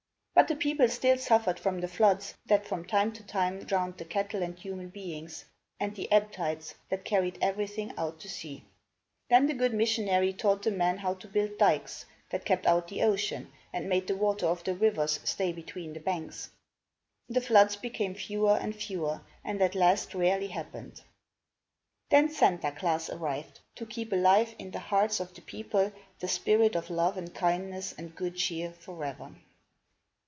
But the people still suffered from the floods, that from time to time drowned the cattle and human beings, and the ebb tides, that carried everything out to sea. Then the good missionary taught the men how to build dykes, that kept out the ocean and made the water of the rivers stay between the banks. The floods became fewer and fewer and at last rarely happened. Then Santa Klaas arrived, to keep alive in the hearts of the people the spirit of love and kindness and good cheer forever.